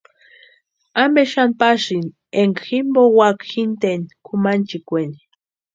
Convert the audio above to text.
¿Ampe xani pasïni énka jimpo úaka jinteni kʼumanchikweni?